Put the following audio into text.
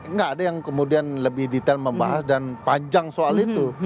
nggak ada yang kemudian lebih detail membahas dan panjang soal itu